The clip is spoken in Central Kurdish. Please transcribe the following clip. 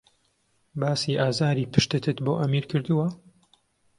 باسی ئازاری پشتتت بۆ ئەمیر کردووە؟